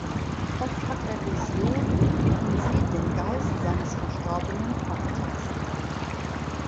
Oft hat er Visionen und sieht den Geist seines verstorbenen Vaters.